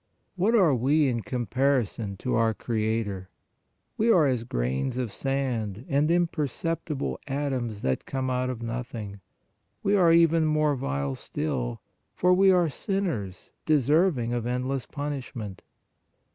What are we in comparison to our Creator? We are as grains of sand and im perceptible atoms that came out of nothing; we are even more vile still, for we are sinners deserving of endless punishment.